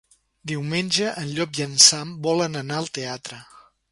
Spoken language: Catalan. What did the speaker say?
Diumenge en Llop i en Sam volen anar al teatre.